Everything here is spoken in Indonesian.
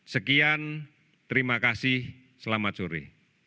sekian terima kasih selamat sore